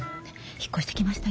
引っ越してきました